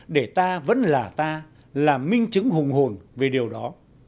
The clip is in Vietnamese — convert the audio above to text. để ta vẫn là ta là minh chứng hùng hồn về điều đó